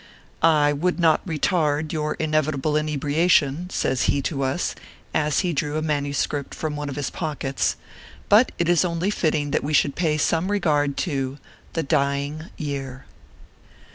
"I would not retard your inevitable inebriation/ says he to us, as he drew a manuscript from one of his pockets, " but it is only fitting that we should pay Borne regard to "THE DYING YEAR.